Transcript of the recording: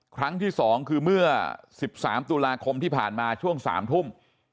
ครั้งที่๒คือเมื่อ๑๓ตุลาคมที่ผ่านมาช่วง๓ทุ่ม